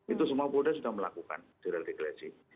itu semua pun sudah melakukan di radikalisasi